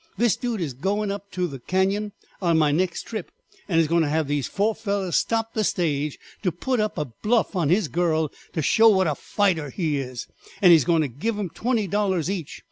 this dude is going up to the Cañon on my next trip, and is going to have these four fellers stop the stage to put up a bluff on his girl to show what a fighter he is, and he is to give um twenty dollars each.